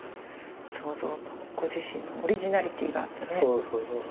創造とご自身のオリジナリティーがあってね。